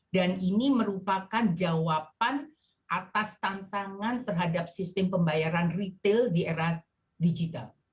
dan ini merupakan jawaban atas tantangan terhadap sistem pembayaran retail di era digital